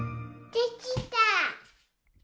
できた。